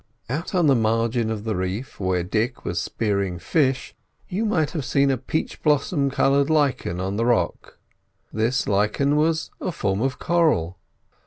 Out on the margin of the reef where Dick was spearing fish, you might have seen a peach blossom coloured lichen on the rock. This lichen was a form of coral.